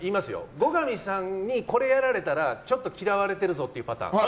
後上さんにこれやられたらちょっと嫌われてるぞっていうパターン。